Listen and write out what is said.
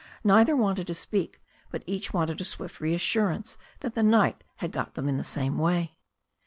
Neither wanted to speak, but each wanted a swift assurance that the night had got them in the same way.